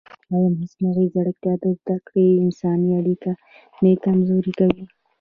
ایا مصنوعي ځیرکتیا د زده کړې انساني اړیکه نه کمزورې کوي؟